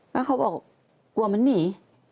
ก็เขาบอกกลัวมันหนี